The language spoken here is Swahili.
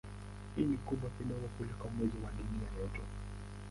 Hii ni kubwa kidogo kuliko Mwezi wa Dunia yetu.